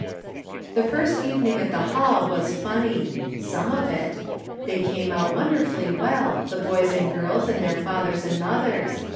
The first evening at the hall was funny — some of it. They came out wonderfiilly well, the boys and girls and their fathers and mothers.